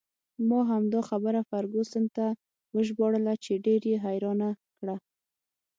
ما همدا خبره فرګوسن ته ژباړله چې ډېر یې حیرانه کړه.